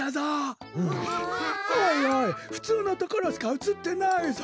おいおいふつうのところしかうつってないぞ！